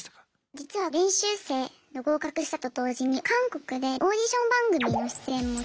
実は練習生の合格したと同時に韓国でオーディション番組の出演も決まっていて。